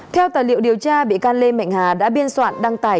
theo tài liệu điều tra bị can lê mạnh hà đã biên soạn đăng tải